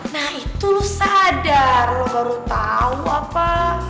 nah itu lo sadar lo baru tau apa